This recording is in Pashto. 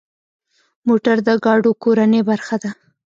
موټر د ګاډو کورنۍ برخه ده.